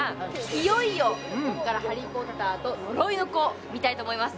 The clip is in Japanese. いよいようんここから「ハリー・ポッターと呪いの子」見たいと思います